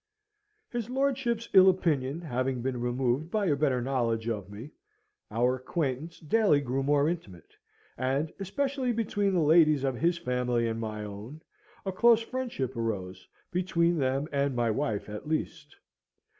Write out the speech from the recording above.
His lordship's ill opinion having been removed by a better knowledge of me, our acquaintance daily grew more intimate; and, especially between the ladies of his family and my own, a close friendship arose between them and my wife at least.